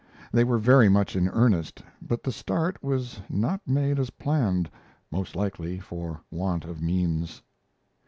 They were very much in earnest, but the start was not made as planned, most likely for want of means.